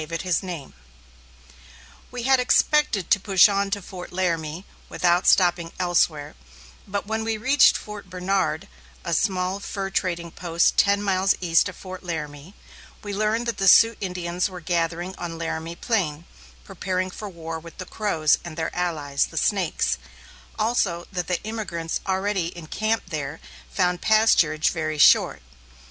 [Illustration: FORT LARAMIE AS IT APPEARED WHEN VISITED BY THE DONNER PARTY] [Illustration: CHIMNEY ROCK] We had expected to push on to Fort Laramie without stopping elsewhere, but when we reached Fort Bernard, a small fur trading post ten miles east of Fort Laramie, we learned that the Sioux Indians were gathering on Laramie Plain, preparing for war with the Crows, and their allies, the Snakes; also that the emigrants already encamped there found pasturage very short.